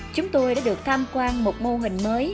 chúng tôi đã được tham quan một mô hình mới